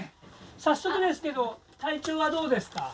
早速ですけど体調はどうですか？